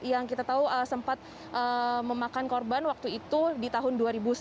yang kita tahu sempat memakan korban waktu itu di tahun dua ribu sembilan